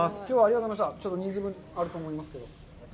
ちょっと人数分、あると思いますけど。